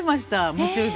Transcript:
夢中で。